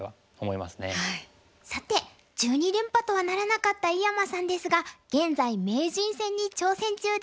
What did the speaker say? さて１２連覇とはならなかった井山さんですが現在名人戦に挑戦中です。